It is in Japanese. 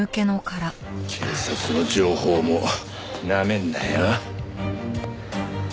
警察の情報網なめんなよ！